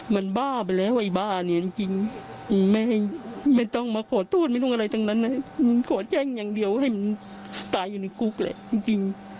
มันบ้าไปแล้วไอ้บ้าเนี่ยจริงไม่ต้องมาขอโทษไม่ต้องอะไรทั้งนั้นนะขอแจ้งอย่างเดียวให้มันตายอยู่ในคุกแหละจริง